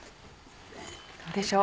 どうでしょう？